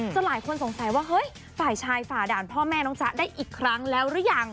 หลายคนสงสัยว่าเฮ้ยฝ่ายชายฝ่าด่านพ่อแม่น้องจ๊ะได้อีกครั้งแล้วหรือยัง